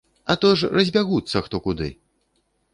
А то ж разбягуцца хто куды!